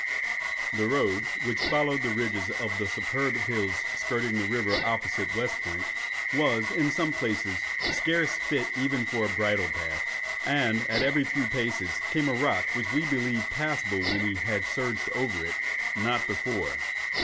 The road, which followed the ridges of the superb hills skirting the river opposite West Point, was, in some places, scarce fit even for a bridle path; and, at every few paces, came a rock, which we believed passable when we had surged over it—not before.